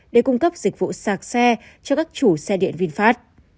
để cung cấp dịch vụ sạc xe cho các chủ xe điện vinfast